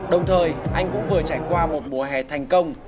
đồng thời anh cũng vừa trải qua một mùa hè thành công